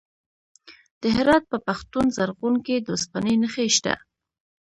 د هرات په پښتون زرغون کې د وسپنې نښې شته.